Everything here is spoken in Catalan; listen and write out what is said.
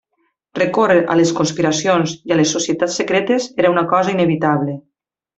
Recórrer a les conspiracions i a les societats secretes era una cosa inevitable.